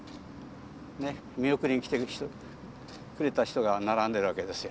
見送りに来てくれた人が並んでるわけですよ。